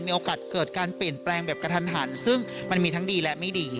มีโอกาสเกิดการเปลี่ยนแปลงแบบกระทันหันซึ่งมันมีทั้งดีและไม่ดี